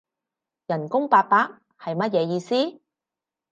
人工八百？係乜嘢意思？